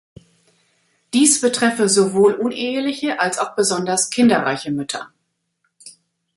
Dies betreffe sowohl uneheliche als auch besonders kinderreiche Mütter.